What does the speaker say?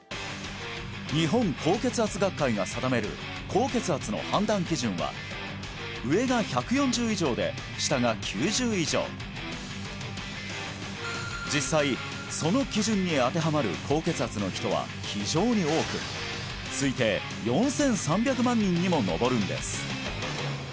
日本高血圧学会が定める高血圧の判断基準は上が１４０以上で下が９０以上実際その基準に当てはまる高血圧の人は非常に多く推定４３００万人にも上るんです